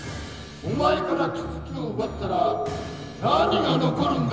お前から気付きを奪ったら何が残るんだ？